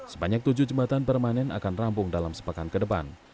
sebanyak tujuh jembatan permanen akan rampung dalam sepekan ke depan